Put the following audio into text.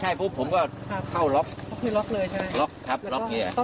เขาบอกใช่ผมก็เข้าล็อคล็อคเลยใช่ไหมล็อคครับล็อคอย่างนี้